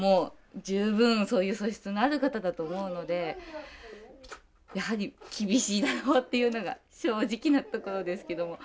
十分そういう素質のある方だと思うのでやはり厳しいだろうっていうのが正直なところですけども。